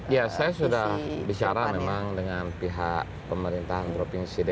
ya saya sudah bicara memang dengan pihak pemerintahan provinsi dki